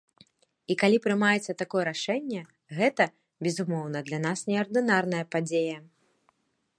І калі прымаецца такое рашэнне, гэта, безумоўна, для нас неардынарная падзея.